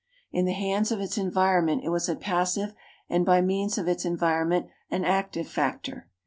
In the hands of its environment it was a passive and by means of its environment an active factor.